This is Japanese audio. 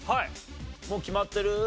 もう決まってる？